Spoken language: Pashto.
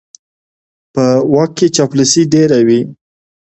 په واک کې چاپلوسي ډېره وي.